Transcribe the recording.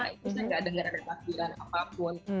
saya nggak dengar ada takbiran apapun